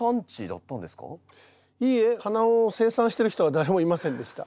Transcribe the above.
いえ花を生産してる人は誰もいませんでした。